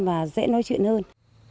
rất nói chuyện hơn